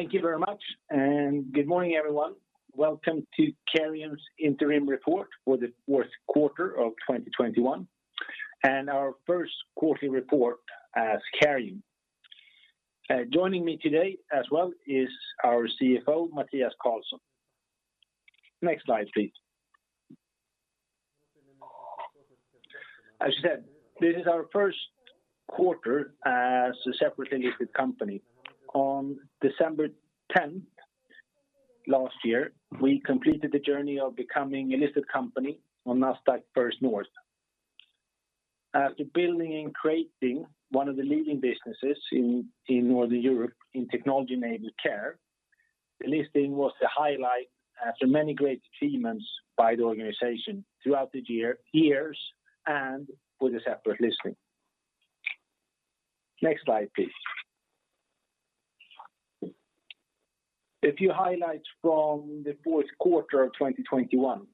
Thank you very much, and good morning everyone. Welcome to Careium's interim report for the fourth quarter of 2021, and our first quarterly report as Careium. Joining me today as well is our CFO, Mathias Carlsson. Next slide, please. As I said, this is our first quarter as a separately listed company. On December 10th last year, we completed the journey of becoming a listed company on Nasdaq First North. After building and creating one of the leading businesses in Northern Europe in technology-enabled care, the listing was the highlight after many great achievements by the organization throughout the years, and with a separate listing. Next slide, please. A few highlights from the fourth quarter of 2021.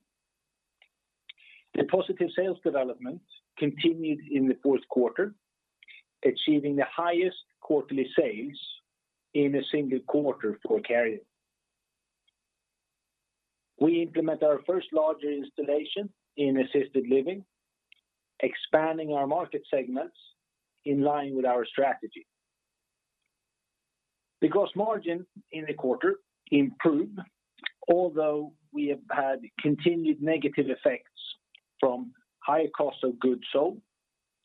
The positive sales development continued in the fourth quarter, achieving the highest quarterly sales in a single quarter for Careium. We implement our first larger installation in assisted living, expanding our market segments in line with our strategy. The cost margin in the quarter improved, although we have had continued negative effects from higher cost of goods sold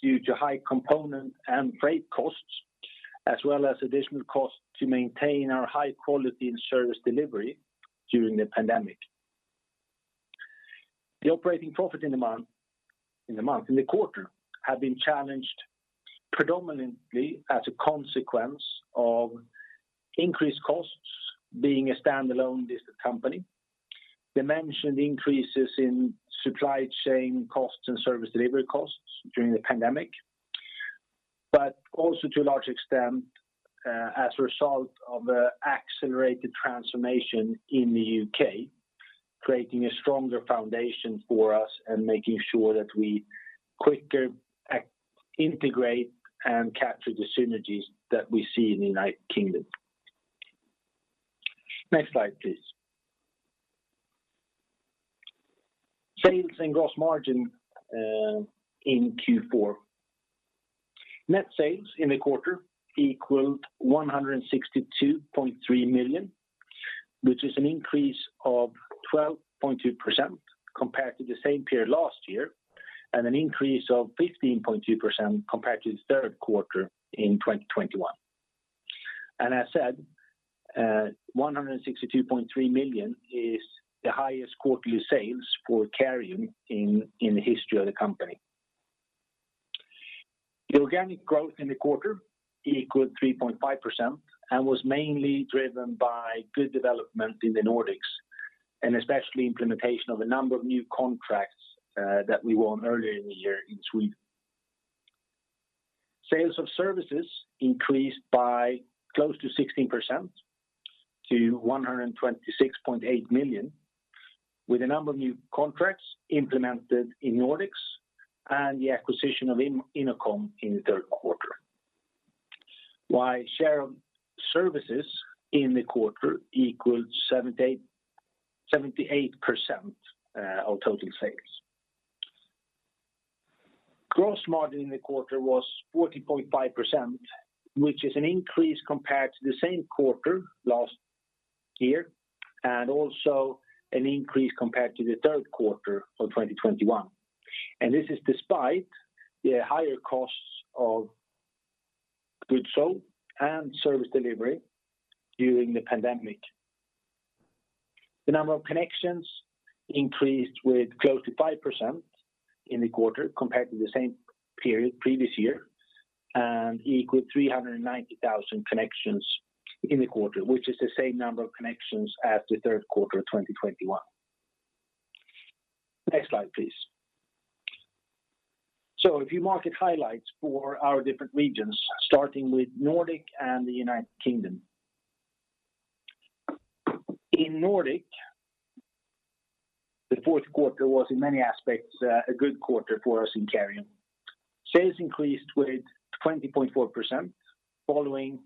due to high component and freight costs, as well as additional costs to maintain our high quality in service delivery during the pandemic. The operating profit in the quarter have been challenged predominantly as a consequence of increased costs being a standalone listed company, the mentioned increases in supply chain costs and service delivery costs during the pandemic also to a large extent as a result of a accelerated transformation in the U.K., creating a stronger foundation for us and making sure that we quicker integrate and capture the synergies that we see in the United Kingdom. Next slide, please. Sales and gross margin in Q4. Net sales in the quarter equaled 162.3 million, which is an increase of 12.2% compared to the same period last year, and an increase of 15.2% compared to the third quarter in 2021. As I said, 162.3 million is the highest quarterly sales for Careium in the history of the company. The organic growth in the quarter equaled 3.5% and was mainly driven by good development in the Nordics, and especially implementation of a number of new contracts that we won earlier in the year in Sweden. Sales of services increased by close to 16% to 126.8 million, with a number of new contracts implemented in Nordics and the acquisition of Innocom in the third quarter. Share of services in the quarter equaled 78% of total sales. Gross margin in the quarter was 40.5%, which is an increase compared to the same quarter last year, and also an increase compared to the third quarter of 2021. This is despite the higher costs of goods sold and service delivery during the pandemic. The number of connections increased with close to 5% in the quarter compared to the same period previous year, and equaled 390,000 connections in the quarter, which is the same number of connections as the third quarter of 2021. Next slide, please. A few market highlights for our different regions, starting with Nordic and the United Kingdom. In Nordic, the fourth quarter was in many aspects a good quarter for us in Careium. Sales increased with 20.4% following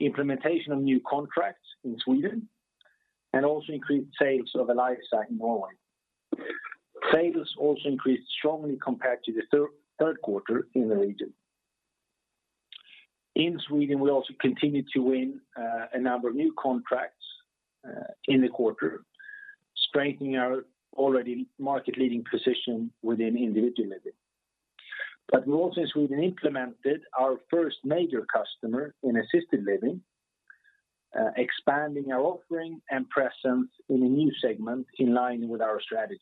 implementation of new contracts in Sweden, and also increased sales of Eliza in Norway. Sales also increased strongly compared to the third quarter in the region. In Sweden, we also continued to win a number of new contracts in the quarter, strengthening our already market-leading position within independent living. We also in Sweden implemented our first major customer in assisted living, expanding our offering and presence in a new segment in line with our strategy.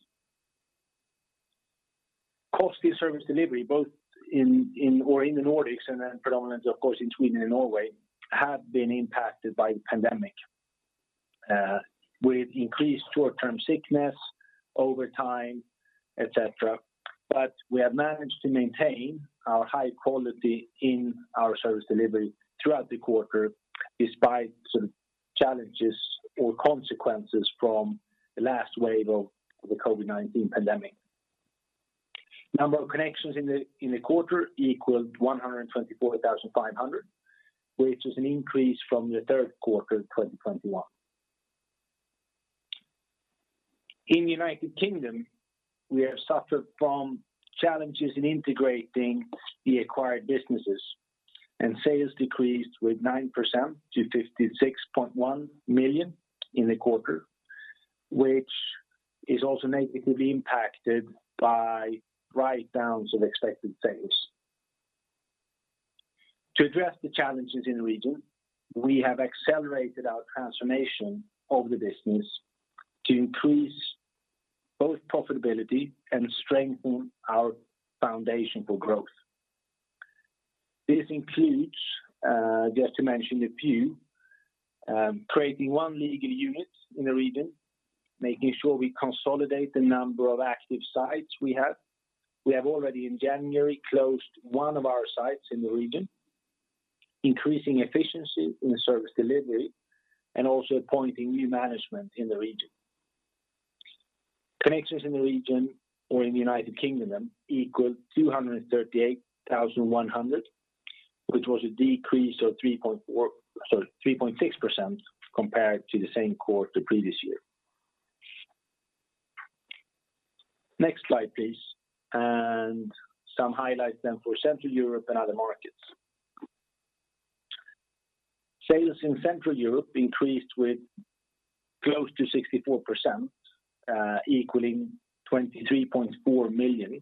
Costly service delivery, both in the Nordics and then predominant, of course, in Sweden and Norway, have been impacted by the pandemic with increased short-term sickness over time, etc. We have managed to maintain our high quality in our service delivery throughout the quarter despite some challenges or consequences from the last wave of the COVID-19 pandemic. Number of connections in the quarter equaled 124,500, which was an increase from the third quarter of 2021. In the U.K., we have suffered from challenges in integrating the acquired businesses, and sales decreased by 9% to 56.1 million in the quarter, which is also negatively impacted by write-downs of expected sales. To address the challenges in the region, we have accelerated our transformation of the business to increase both profitability and strengthen our foundation for growth. This includes just to mention a few creating one legal unit in the region, making sure we consolidate the number of active sites we have. We have already, in January, closed one of our sites in the region, increasing efficiency in the service delivery and also appointing new management in the region. Connections in the region or in the United Kingdom equaled 238,100, which was a decrease of 3.6% compared to the same quarter previous year. Next slide, please. Some highlights then for Central Europe and other markets. Sales in Central Europe increased with close to 64%, equaling SEK 23.4 million.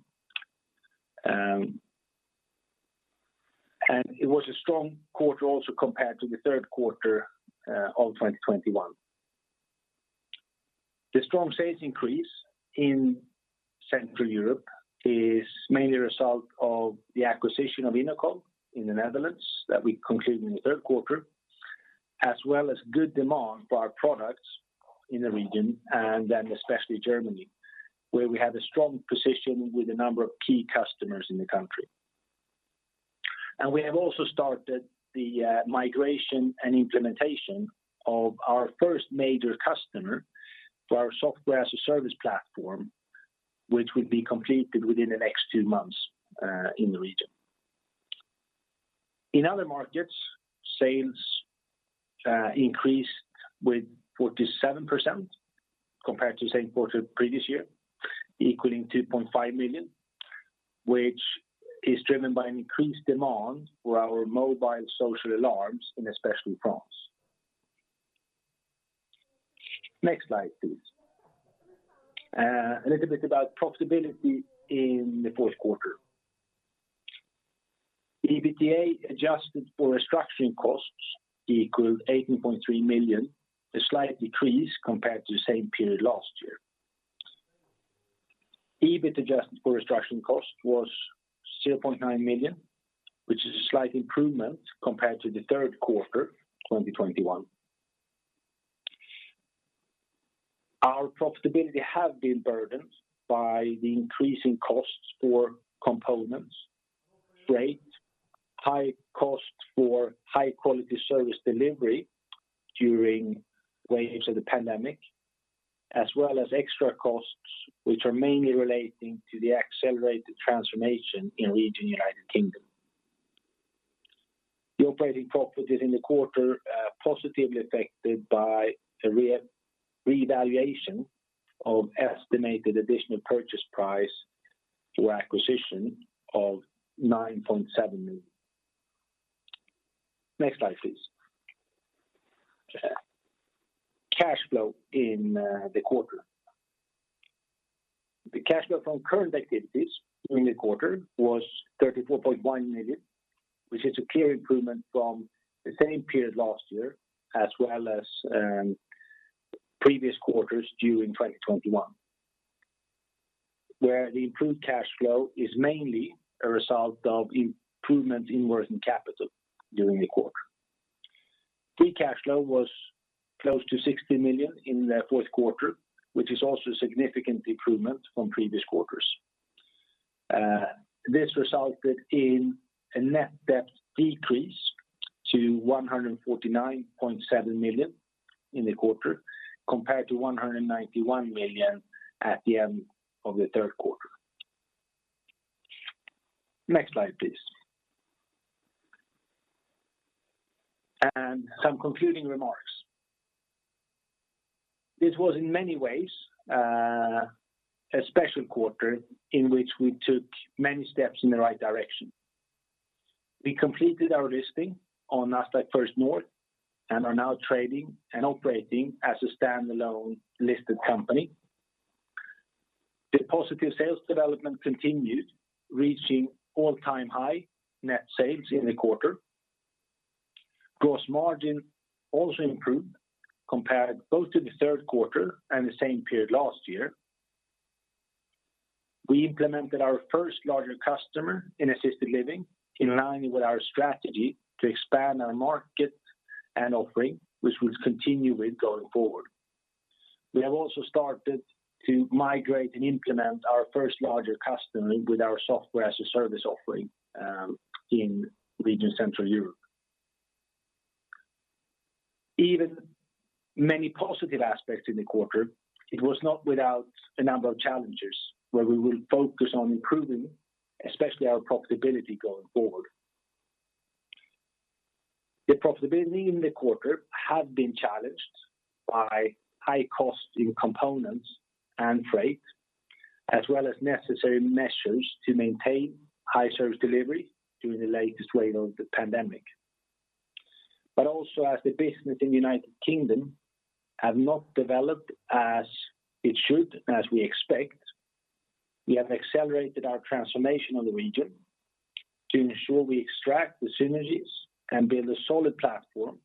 It was a strong quarter also compared to the third quarter of 2021. The strong sales increase in Central Europe is mainly a result of the acquisition of Innocom in the Netherlands that we concluded in the third quarter, as well as good demand for our products in the region and then especially Germany, where we have a strong position with a number of key customers in the country. We have also started the migration and implementation of our first major customer for our software as a service platform, which will be completed within the next two months in the region. In other markets, sales increased with 47% compared to the same quarter previous year, equaling 2.5 million, which is driven by an increased demand for our mobile social alarms in especially France. Next slide, please. A little bit about profitability in the fourth quarter. EBITA adjusted for restructuring costs equaled 18.3 million, a slight decrease compared to the same period last year. EBIT adjusted for restructuring cost was 0.9 million, which is a slight improvement compared to the third quarter 2021. Our profitability have been burdened by the increasing costs for components, freight, high costs for high-quality service delivery during waves of the pandemic, as well as extra costs which are mainly relating to the accelerated transformation in region U.K. The operating profit is in the quarter positively affected by a revaluation of estimated additional purchase price for acquisition of 9.7 million. Next slide, please. Cash flow in the quarter. The cash flow from current activities in the quarter was 34.1 million, which is a clear improvement from the same period last year as well as previous quarters during 2021, where the improved cash flow is mainly a result of improvement in working capital during the quarter. Free cash flow was close to 60 million in the fourth quarter, which is also a significant improvement from previous quarters. This resulted in a net debt decrease to 149.7 million in the quarter compared to 191 million at the end of the third quarter. Next slide, please. Some concluding remarks. This was, in many ways, a special quarter in which we took many steps in the right direction. We completed our listing on Nasdaq First North and are now trading and operating as a standalone listed company. The positive sales development continued, reaching all-time high net sales in the quarter. Gross margin also improved compared both to the third quarter and the same period last year. We implemented our first larger customer in assisted living in line with our strategy to expand our market and offering, which we'll continue with going forward. We have also started to migrate and implement our first larger customer with our software as a service offering in region Central Europe. Despite many positive aspects in the quarter, it was not without a number of challenges where we will focus on improving, especially our profitability going forward. The profitability in the quarter had been challenged by high cost in components and freight, as well as necessary measures to maintain high service delivery during the latest wave of the pandemic. As the business in the United Kingdom has not developed as it should, as we expect, we have accelerated our transformation of the region to ensure we extract the synergies and build a solid platform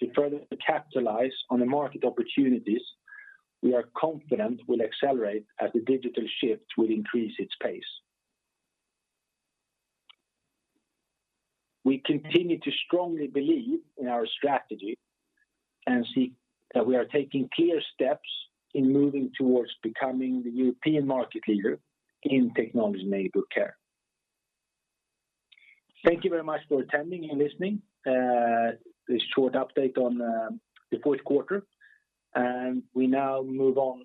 to further capitalize on the market opportunities we are confident will accelerate as the digital shift will increase its pace. We continue to strongly believe in our strategy and see that we are taking clear steps in moving towards becoming the European market leader in technology-enabled care. Thank you very much for attending and listening to this short update on the fourth quarter. We now move on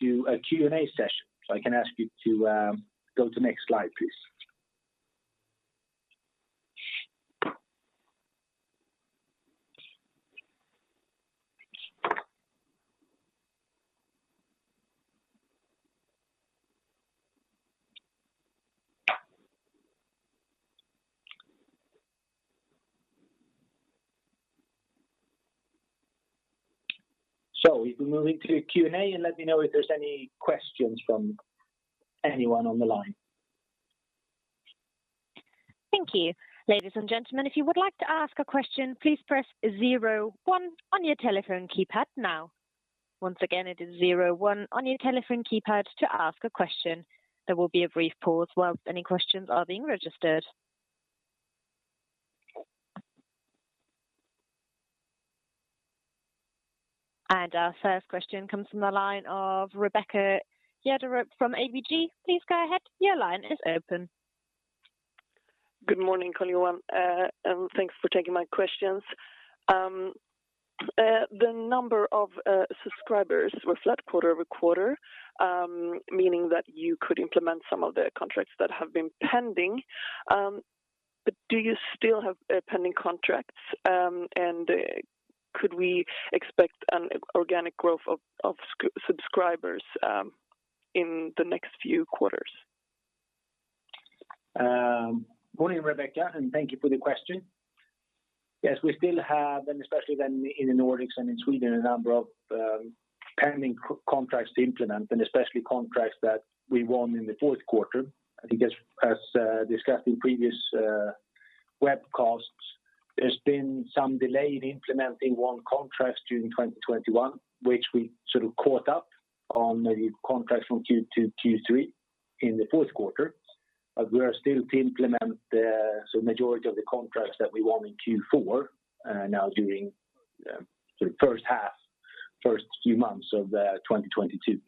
to a Q&A session. I can ask you to go to next slide, please. We can move into Q&A, and let me know if there's any questions from anyone on the line. Thank you. Ladies and gentlemen, if you would like to ask a question, please press zero one on your telephone keypad now. Once again, it is zero one on your telephone keypad to ask a question. There will be a brief pause while any questions are being registered. Our first question comes from the line of Rebecca Jaderup from ABG. Please go ahead. Your line is open. Good morning, everyone, and thanks for taking my questions. The number of subscribers were flat quarter-over-quarter, meaning that you could implement some of the contracts that have been pending. Do you still have pending contracts? Could we expect an organic growth of subscribers in the next few quarters? Good morning, Rebecca, and thank you for the question. Yes, we still have, and especially then in the Nordics and in Sweden, a number of pending contracts to implement, and especially contracts that we won in the fourth quarter. I think as discussed in previous webcasts, there's been some delay in implementing one contract during 2021, which we sort of caught up on the contract from Q2 to Q3 in the fourth quarter. We are still to implement the majority of the contracts that we won in Q4 during sort of first half, first few months of 2022.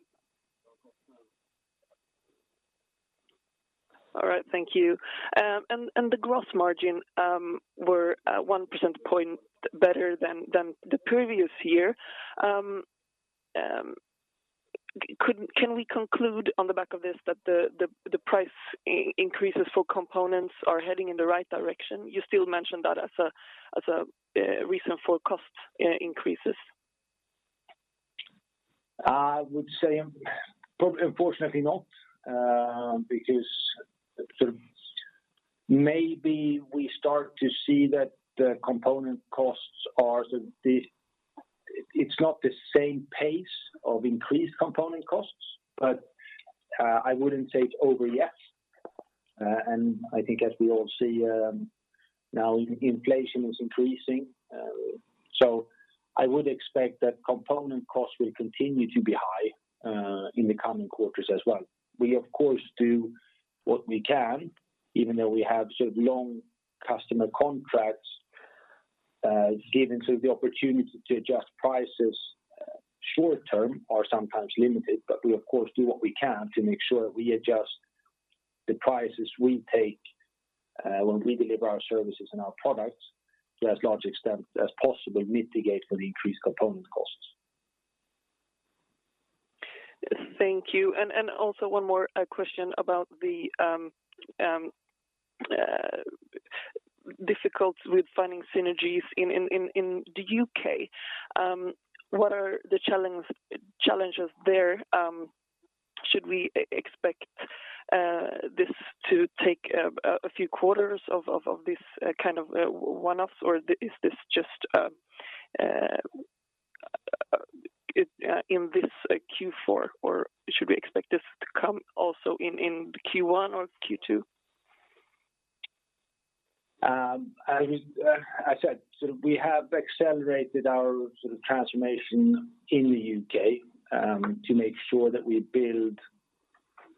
All right. Thank you. The growth margin were one percentage point better than the previous year. Can we conclude on the back of this that the price increases for components are heading in the right direction? You still mentioned that as a reason for cost increases. I would say probably unfortunately not, because we start to see that the component costs are not the same pace of increased component costs, but I wouldn't say it's over yet. I think as we all see, now inflation is increasing. I would expect that component costs will continue to be high in the coming quarters as well. We of course do what we can, even though we have sort of long customer contracts, given so the opportunity to adjust prices short term are sometimes limited. We of course do what we can to make sure we adjust the prices we take, when we deliver our services and our products to as large an extent as possible to mitigate for the increased component costs. Thank you. Also one more question about the difficulty with finding synergies in the U.K. What are the challenges there? Should we expect this to take a few quarters of this kind of one-offs, or is this just in this Q4? Should we expect this to come also in Q1 or Q2? As I said, so we have accelerated our sort of transformation in the U.K. to make sure that we build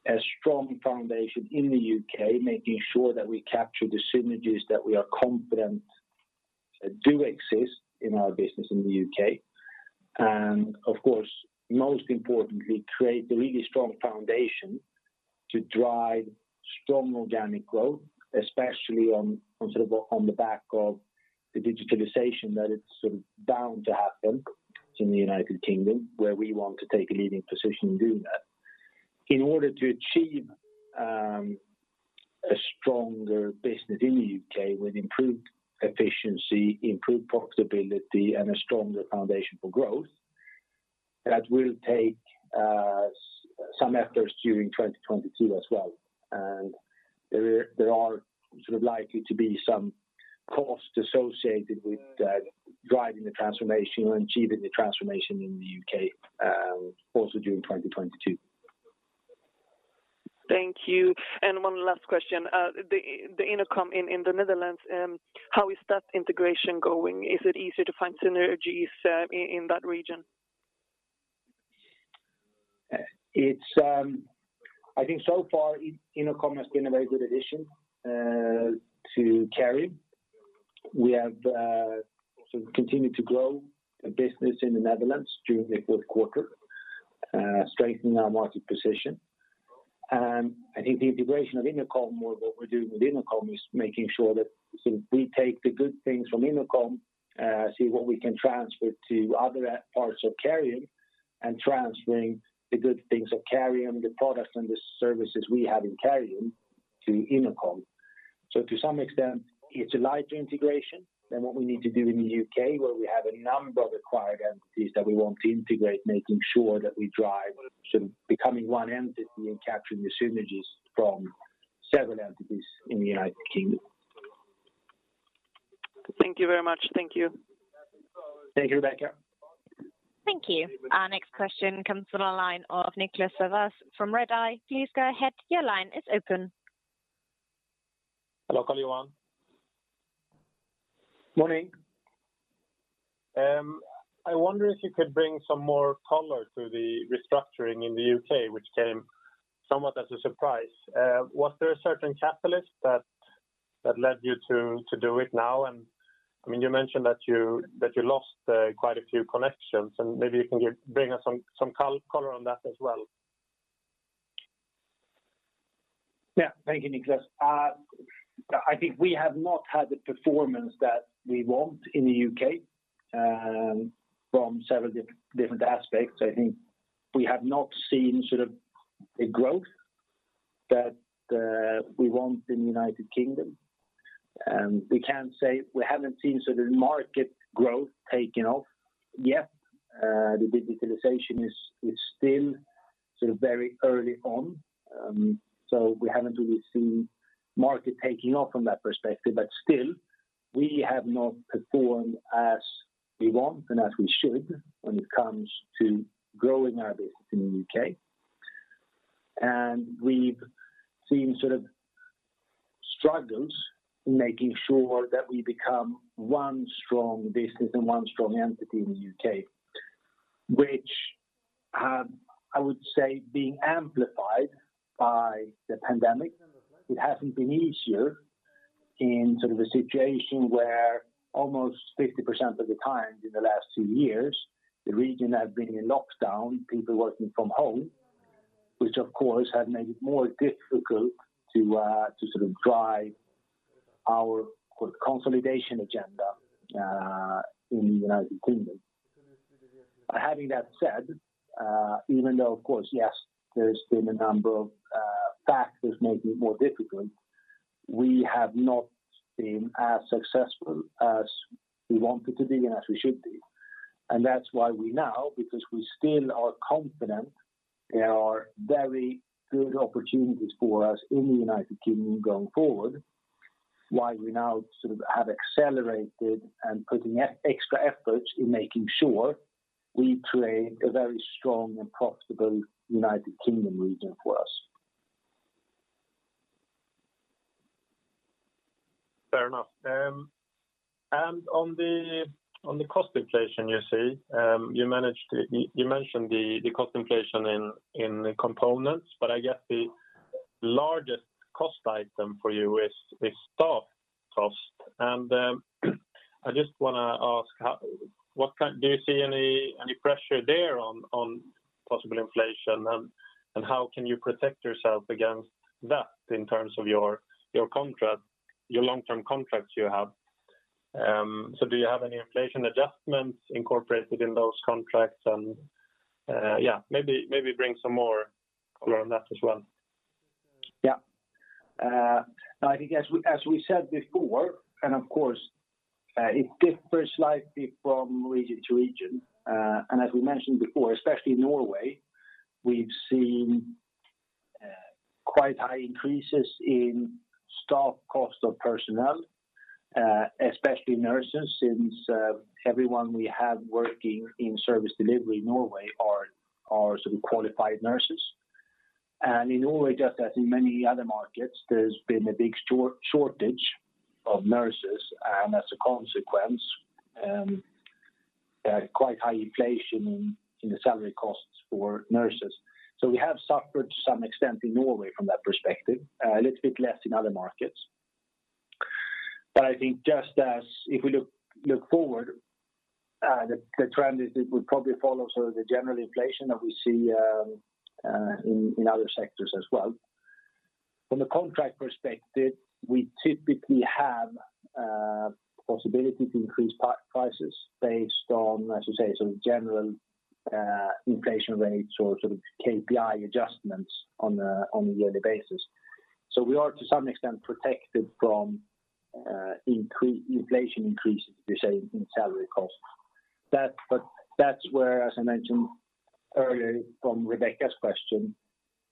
a strong foundation in the U.K., making sure that we capture the synergies that we are confident do exist in our business in the U.K. Of course, most importantly, create a really strong foundation to drive strong organic growth, especially on the back of the digitalization that it's sort of bound to happen in the United Kingdom, where we want to take a leading position in doing that. In order to achieve a stronger business in the U.K. with improved efficiency, improved profitability, and a stronger foundation for growth, that will take some efforts during 2022 as well. There are sort of likely to be some costs associated with driving the transformation or achieving the transformation in the U.K. also during 2022. Thank you. One last question. The Innocom in the Netherlands, how is that integration going? Is it easier to find synergies in that region? I think so far Innocom has been a very good addition to Careium. We have sort of continued to grow the business in the Netherlands during the fourth quarter, strengthening our market position. I think the integration of Innocom or what we're doing with Innocom is making sure that sort of we take the good things from Innocom, see what we can transfer to other parts of Careium and transferring the good things of Careium, the products and the services we have in Careium to Innocom. To some extent, it's a lighter integration than what we need to do in the U.K., where we have a number of acquired entities that we want to integrate, making sure that we drive sort of becoming one entity and capturing the synergies from several entities in the United Kingdom. Thank you very much. Thank you. Thank you, Rebecca. Thank you. Our next question comes from the line of Niklas Sävås from Redeye. Please go ahead, your line is open. Hello, Carl-Johan. Morning. I wonder if you could bring some more color to the restructuring in the U.K., which came somewhat as a surprise. Was there a certain catalyst that led you to do it now? I mean, you mentioned that you lost quite a few connections, and maybe you can bring us some color on that as well. Yeah. Thank you, Niklas. I think we have not had the performance that we want in the U.K., from several different aspects. I think we have not seen sort of the growth that we want in the United Kingdom. We can't say we haven't seen sort of market growth taking off yet. The digitalization is still sort of very early on, so we haven't really seen market taking off from that perspective. But still, we have not performed as we want and as we should when it comes to growing our business in the U.K. We've seen sort of struggles in making sure that we become one strong business and one strong entity in the U.K., which have, I would say, been amplified by the pandemic. It hasn't been easier in sort of a situation where almost 50% of the time in the last two years, the region has been in lockdown, people working from home, which of course has made it more difficult to sort of drive our consolidation agenda in the United Kingdom. Having that said, even though of course, yes, there's been a number of factors making it more difficult, we have not been as successful as we wanted to be and as we should be. That's why we now, because we still are confident there are very good opportunities for us in the United Kingdom going forward, why we now sort of have accelerated and putting extra efforts in making sure we create a very strong and profitable United Kingdom region for us. Fair enough. On the cost inflation you see, you mentioned the cost inflation in the components, but I guess the largest cost item for you is staff cost. I just wanna ask, how what kind do you see any pressure there on possible inflation, and how can you protect yourself against that in terms of your contract, your long-term contracts you have? So do you have any inflation adjustments incorporated in those contracts? Yeah, maybe bring some more color on that as well. Yeah. I think as we said before, of course, it differs slightly from region to region. As we mentioned before, especially in Norway, we've seen quite high increases in staff cost of personnel, especially nurses, since everyone we have working in service delivery in Norway are sort of qualified nurses. In Norway, just as in many other markets, there's been a big shortage of nurses, and as a consequence, quite high inflation in the salary costs for nurses. We have suffered to some extent in Norway from that perspective, a little bit less in other markets. I think just as if we look forward, the trend is it will probably follow sort of the general inflation that we see in other sectors as well. From a contract perspective, we typically have possibility to increase prices based on, I should say, some general inflation rates or sort of KPI adjustments on a yearly basis. We are to some extent protected from inflation increases, per se, in salary costs. That's where, as I mentioned earlier from Rebecca's question,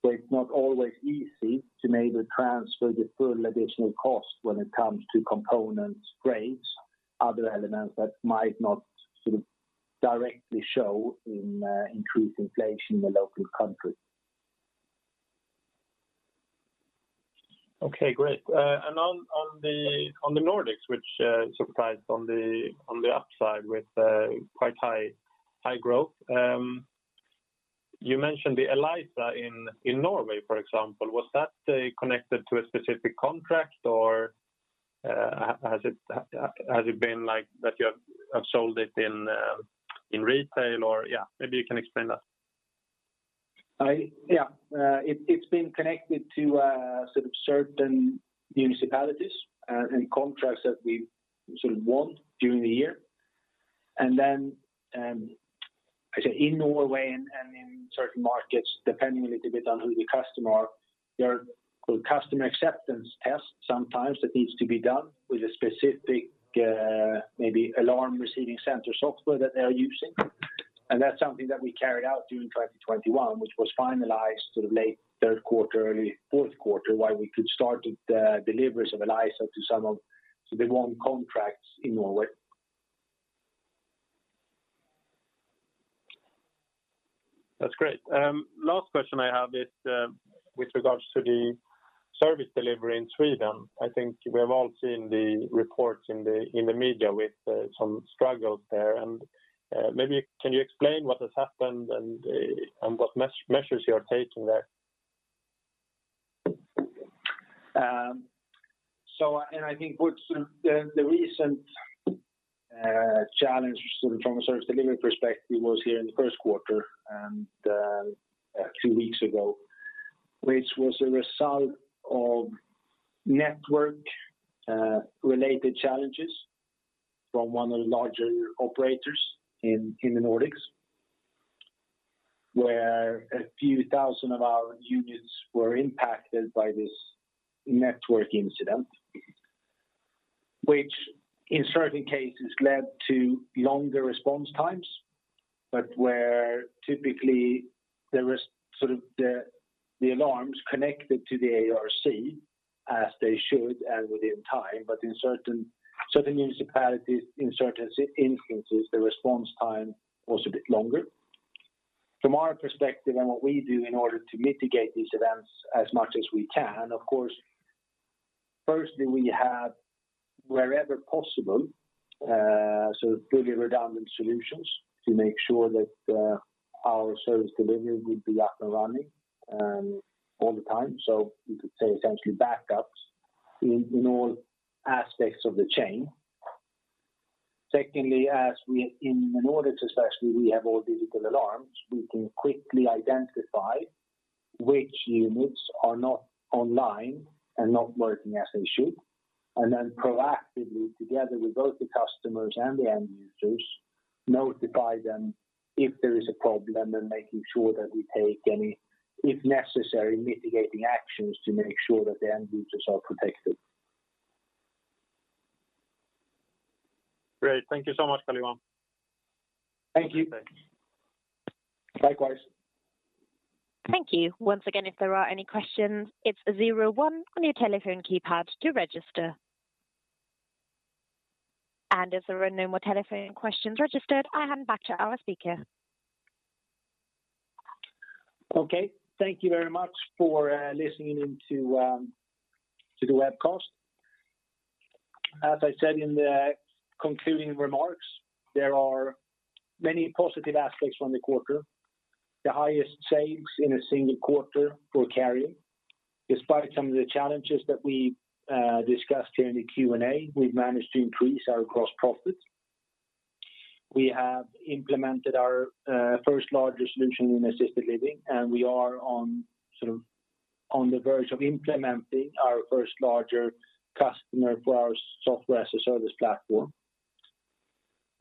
where it's not always easy to maybe transfer the full additional cost when it comes to components, grades, other elements that might not sort of directly show in increased inflation in the local country. Okay, great. On the Nordics, which surprised on the upside with quite high growth. You mentioned the Eliza in Norway, for example. Was that connected to a specific contract or has it been like that you have sold it in retail or yeah, maybe you can explain that. Yeah. It's been connected to sort of certain municipalities and contracts that we sort of won during the year. I say in Norway and in certain markets, depending a little bit on who the customer are, there are customer acceptance tests sometimes that needs to be done with a specific maybe alarm receiving center software that they are using. That's something that we carried out during 2021, which was finalized sort of late third quarter, early fourth quarter, why we could start the deliveries of Eliza to some of the won contracts in Norway. That's great. Last question I have is with regards to the service delivery in Sweden. I think we have all seen the reports in the media with some struggles there. Maybe can you explain what has happened and what measures you are taking there? I think what the recent challenge from a service delivery perspective was here in the first quarter and a few weeks ago, which was a result of network related challenges from one of the larger operators in the Nordics, where a few thousand of our units were impacted by this network incident, which in certain cases led to longer response times. Typically there was sort of the alarms connected to the ARC as they should and within time. In certain municipalities, in certain instances, the response time was a bit longer. From our perspective and what we do in order to mitigate these events as much as we can, of course, firstly, we have wherever possible, sort of fully redundant solutions to make sure that our service delivery would be up and running, all the time. You could say essentially backups in all aspects of the chain. Secondly, in order to successfully we have all digital alarms, we can quickly identify which units are not online and not working as they should, and then proactively together with both the customers and the end users, notify them if there is a problem and making sure that we take any, if necessary, mitigating actions to make sure that the end users are protected. Great. Thank you so much, Carl-Johan. Thank you. Thanks. Likewise. Thank you. Once again, if there are any questions, it's zero one on your telephone keypad to register. As there are no more telephone questions registered, I hand back to our speaker. Okay. Thank you very much for listening in to the webcast. As I said in the concluding remarks, there are many positive aspects from the quarter. The highest sales in a single quarter for Careium. Despite some of the challenges that we discussed here in the Q&A, we've managed to increase our gross profits. We have implemented our first larger solution in assisted living, and we are sort of on the verge of implementing our first larger customer for our software as a service platform.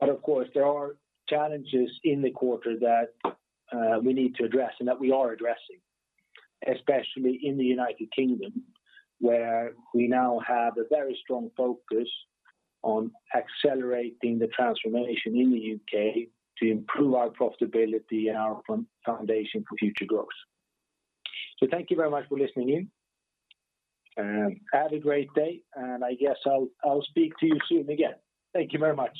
But of course, there are challenges in the quarter that we need to address and that we are addressing, especially in the United Kingdom, where we now have a very strong focus on accelerating the transformation in the U.K. to improve our profitability and our foundation for future growth. Thank you very much for listening in. Have a great day, and I guess I'll speak to you soon again. Thank you very much.